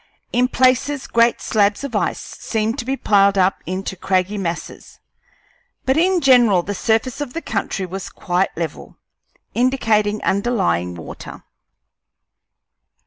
In places great slabs of ice seemed to be piled up into craggy masses, but in general the surface of the country was quite level, indicating underlying water.